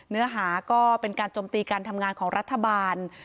เนื้อหาก็เป็นการจมตีการทำงานของรัฐบาล